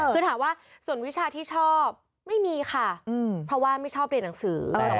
คือถามว่าส่วนวิชาที่ชอบไม่มีค่ะเพราะว่าไม่ชอบเรียนหนังสือ